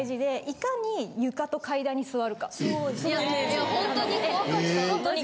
いやほんとに怖かった。